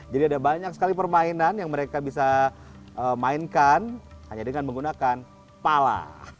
jadi ada banyak sekali permainan yang mereka bisa mainkan hanya dengan menggunakan pala